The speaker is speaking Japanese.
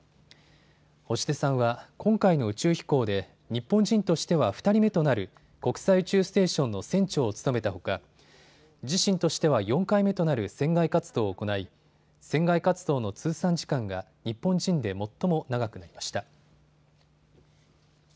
星出さんは今回の宇宙飛行で日本人としては２人目となる国際宇宙ステーションの船長を務めたほか自身としては４回目となる船外活動を行い船外活動の通算時間が日本人で最も長くなりました。